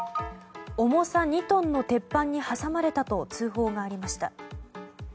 重さ２トンの鉄板に挟まれたと通報がありました。